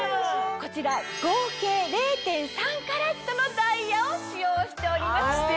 こちら合計０．３カラットのダイヤを使用しております。